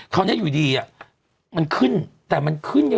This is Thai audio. คราวนี้อยู่ดีอ่ะมันขึ้นแต่มันขึ้นไง